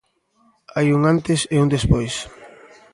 Hai un antes e un despois.